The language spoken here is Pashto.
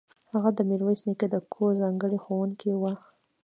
هغه د میرویس نیکه د کورنۍ ځانګړی ښوونکی و.